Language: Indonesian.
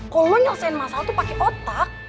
kalau lo nyelesain masalah tuh pake otak